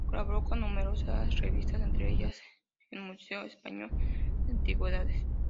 Colaboró con numerosas revistas, entre ellas, en "Museo Español de Antigüedades".